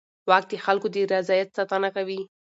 واک د خلکو د رضایت ساتنه کوي.